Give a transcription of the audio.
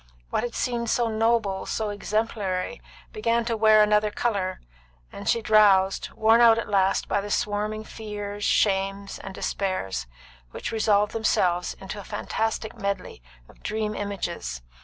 What had seemed so noble, so exemplary, began to wear another colour; and she drowsed, worn out at last by the swarming fears, shames, and despairs, which resolved themselves into a fantastic medley of dream images.